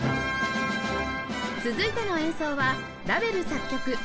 続いての演奏はラヴェル作曲『ボレロ』